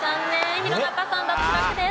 弘中さん脱落です。